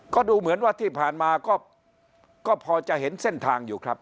ก็ดูเหมือนว่าที่ผ่านมาก็พอจะเห็นเส้นทางอยู่ครับ